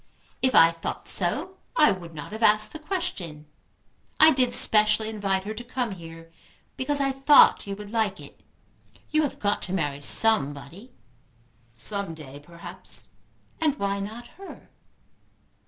If I thought so, I would not have asked the question. I did specially invite her to come here because I thought you would like it. You have got to marry somebody." "Some day, perhaps." "And why not her?"